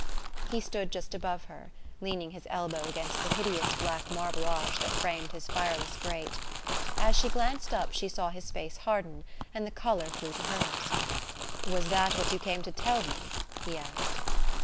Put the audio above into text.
He stood just above her, leaning his elbow against the hideous black marble arch that framed his fireless grate. As she glanced up she saw his face harden, and the colour flew to hers. "Was that what you came to tell me?" he asked.